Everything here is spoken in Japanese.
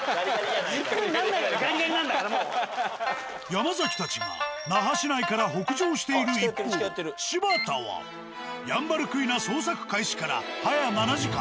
山崎たちが那覇市内から北上している一方柴田はヤンバルクイナ捜索開始からはや７時間。